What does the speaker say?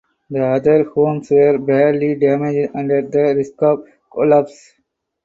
The other homes were badly damaged and at the risk of collapse.